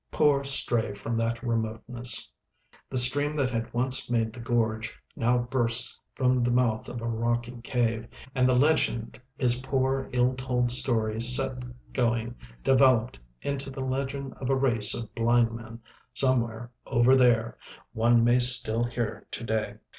Poor stray from that remoteness! The stream that had once made the gorge now bursts from the mouth of a rocky cave, and the legend his poor, ill told story set going developed into the legend of a race of blind men somewhere "over there" one may still hear to day.